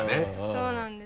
そうなんですよ。